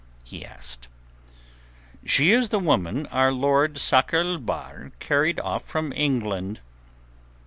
he asked. "She is the woman our lord Sakr el Bahr carried off from England."